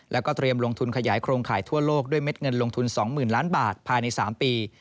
แล้วก็เตรียมลงทุนขยายโครงข่ายทั่วโลกด้วยเม็ดเงินลงทุน๒๐๐๐ล้านบาทภายใน๓ปี